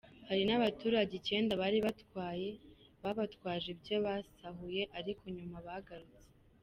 Hari n’abaturage icyenda bari batwaye babatwaje ibyo basahuye ariko nyuma bagarutse.